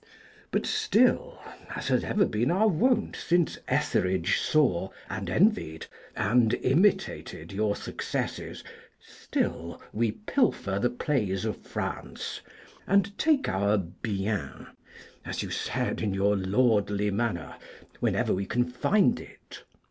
But still, as has ever been our wont since Etherege saw, and envied, and imitated your successes still we pilfer the plays of France, and take our bien, as you said in your lordly manner, wherever we can find it.